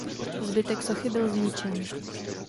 Zbytek sochy byl zničen.